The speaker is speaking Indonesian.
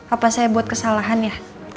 apa saya buat kesalahan ya